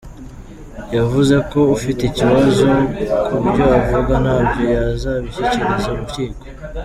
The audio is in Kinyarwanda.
Yavuze ko ufite ikibazo ku byo avuga nabyo yazabishyikiriza urukiko.